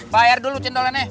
bayar dulu cendolnya